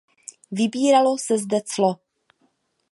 Vybíralo se zde clo.